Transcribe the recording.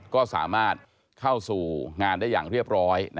เข้าสู่งานได้อย่างเรียบร้อย